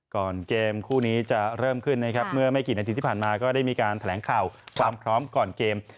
ก่อนเกมคู่นี้จะเริ่มขึ้นนะครับเมื่อไม่กี่นาทีที่ผ่านมาก็ได้มีการแถลงข่าวความพร้อมก่อนเกม